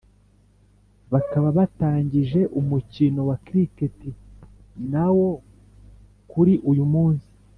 bakaba batangije umukino wa cricket nawo kuri uyu munsi